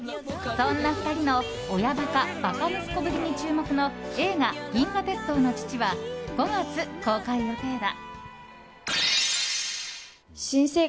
そんな２人の親バカ、バカ息子ぶりに注目の映画「銀河鉄道の父」は５月公開予定だ。